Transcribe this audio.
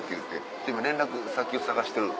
で今連絡先を探してる。